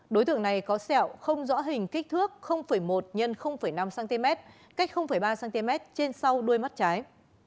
đối tượng này có sẹo không rõ hình kích thước một x năm cm cách ba cm trên sau đuôi mắt trái